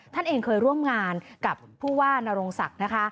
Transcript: ท่านเองเคยร่วมงานกับผู้ว่านโรงศักดิ์นะคะ